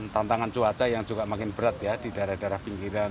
tantangan cuaca yang juga makin berat ya di daerah daerah pinggiran